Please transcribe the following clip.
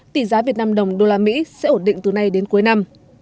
tỷ giá việt nam đồng đô la mỹ sẽ ổn định từ nay đến cuối năm